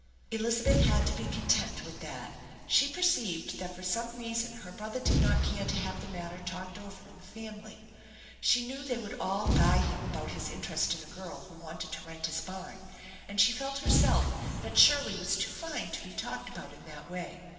Elizabeth had to be content with that. She perceived that for some reason her brother did not care to have the matter talked over in the family. She knew they would all guy him about his interest in a girl who wanted to rent his barn, and she felt herself that Shirley was too fine to be talked about in that way.